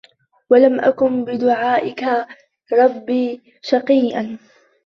وَلَمْ أَكُن بِدُعَائِكَ رَبِّ شَقِيًّا